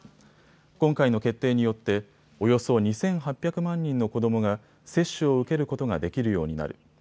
今回の決定によっておよそ２８００万人の子どもが接種を受けることができるようになる。